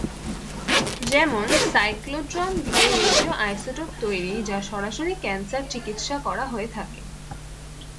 যেমন, সাইক্লোট্রন দিয়ে radio isotope তৈরি যা সরাসরি ক্যান্সার চিকিৎসা করা হয়ে থাকে।